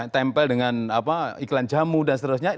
tempel dengan iklan jamu dan seterusnya